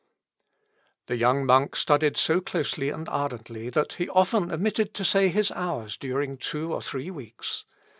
The young monk studied so closely and ardently that he often omitted to say his Hours during two or three weeks.